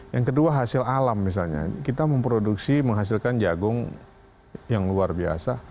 yang kedua hasil alam misalnya kita memproduksi menghasilkan jagung yang luar biasa